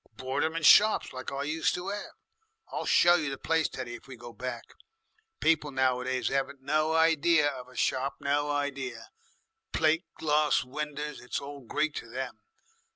"Bort 'em in shops like I used to 'ave. I'll show you the place, Teddy, if we go back. People nowadays 'aven't no idee of a shop no idee. Plate glass winders it's all Greek to them.